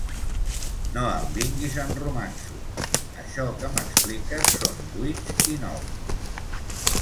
No em vinguis amb romanços: això que m'expliques són vuits i nous.